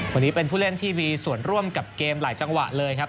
วันนี้เป็นผู้เล่นที่มีส่วนร่วมกับเกมหลายจังหวะเลยครับ